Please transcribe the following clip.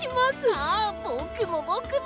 あぼくもぼくも。